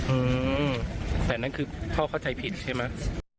อืมแต่นั่นคือพ่อเข้าใจผิดใช่ไหม